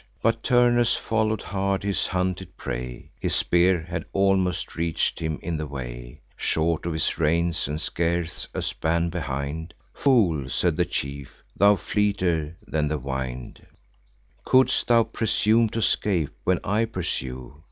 But Turnus follow'd hard his hunted prey (His spear had almost reach'd him in the way, Short of his reins, and scarce a span behind) "Fool!" said the chief, "tho' fleeter than the wind, Couldst thou presume to scape, when I pursue?"